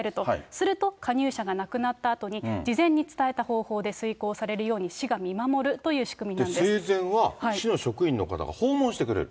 すると、加入者が亡くなったあとに、事前に伝えた方法で遂行されるように市が見守るという仕組みなん生前は市の職員の方が訪問してくれる。